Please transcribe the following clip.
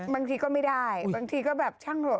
บางทีก็ไม่ได้บางทีก็แบบช่างโหลด